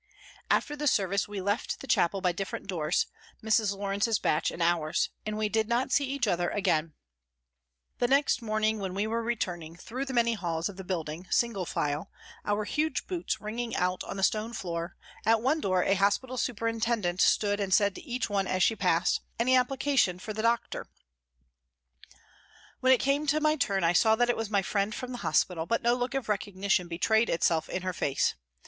After the service we left the chapel by different doors, Mrs. Lawrence's batch and ours, and we did not see each other again. P. o 194 PRISONS AND PRISONERS The next morning when we were returning, through the many halls of the building, single file, our huge boots ringing out on the stone floor, at one door a hospital superintendent stood and said to each one as she passed :" Any application for the doctor ?" When it came to my turn, I saw that it was my friend from the hospital, but no look of recognition betrayed itself in her face.